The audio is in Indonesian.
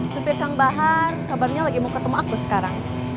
supir kang bahar kabarnya lagi mau ketemu aku sekarang